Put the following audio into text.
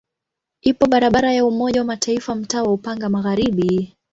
Ipo barabara ya Umoja wa Mataifa mtaa wa Upanga Magharibi.